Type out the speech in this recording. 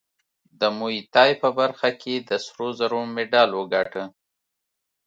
د موی تای په برخه کې د سرو زرو مډال وګاټه